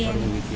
baru mau bikin